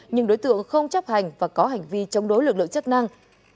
nhưng đối tượng không chấp hành và có hành vi chống đối lực lượng chức năng